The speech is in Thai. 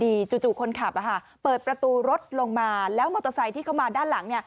จู่คนขับเปิดประตูรถลงมาแล้วมอเตอร์ไซค์ที่เข้ามาด้านหลัง